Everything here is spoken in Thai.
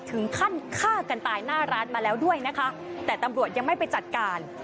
ถึงขั้นฆ่ากันตายหน้าร้านมาแล้วด้วยนะคะแต่ตำรวจยังไม่ไปจัดการ